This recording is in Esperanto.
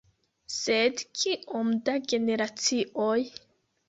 Sed kiom da generacioj?